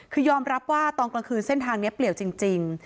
คือยอมรับว่าตอนกลางคืนเส้นทางนี้เปลี่ยวจริง